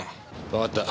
わかった。